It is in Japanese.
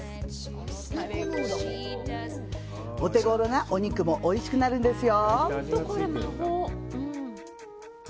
お手ごろなお肉もおいしくなるんですよ